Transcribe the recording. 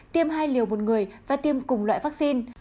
tiêm hai liều một người và tiêm cùng loại vaccine